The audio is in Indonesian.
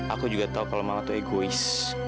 aku juga tahu kalau mama tuh egois